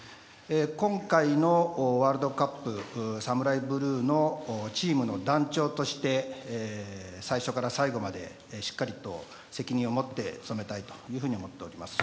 今回のワールドカップＳＡＭＵＲＡＩＢＬＵＥのチームの団長として最初から最後までしっかりと責任を持って務めたいと思っております。